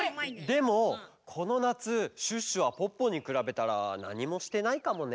でもこのなつシュッシュはポッポにくらべたらなにもしてないかもね。